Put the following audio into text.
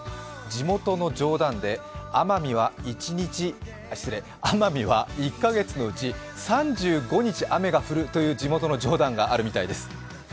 地元の冗談で、奄美は１カ月のうち３５日雨が降るという地元の冗談があるみたいです。